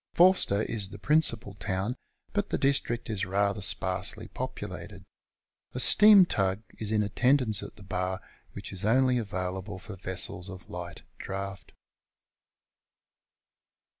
Eorster is the principal town, but the district is rather sparsely populated. A steam tug is in attendance ac the bar, which is only available for vessels of light draft.